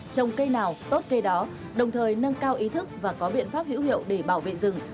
trồng cây nào tốt cây đó đồng thời nâng cao ý thức và có biện pháp hữu hiệu để bảo vệ rừng